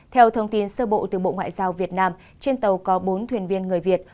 theo thông tin sơ bộ từ bộ ngoại giao việt nam trên tàu có bốn thuyền viên người việt